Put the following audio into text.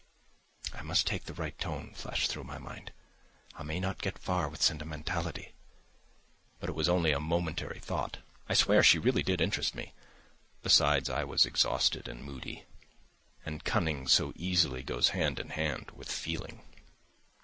"I must take the right tone," flashed through my mind. "I may not get far with sentimentality." But it was only a momentary thought. I swear she really did interest me. Besides, I was exhausted and moody. And cunning so easily goes hand in hand with feeling.